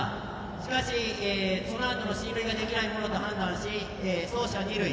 しかし、そのあとの進塁ができないものと判断し、走者が二塁。